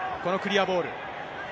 このクリアボール。